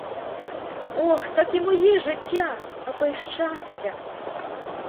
Ох, так і моє життя, а то й щастя!